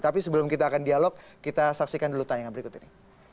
tapi sebelum kita akan dialog kita saksikan dulu tayangan berikut ini